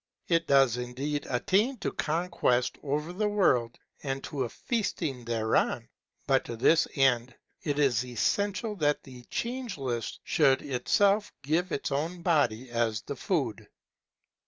It does indeed attain to conquest over the world and to a feasting thereon, but to this end it is essential that the Change less should itself give its own body as the food.